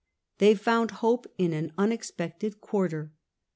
They found hope in an unexpected quarter.